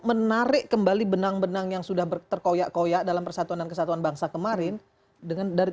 menarik kembali benang benang yang sudah berterok orat dalam persatuan kesatuan bangsa kemarin dengan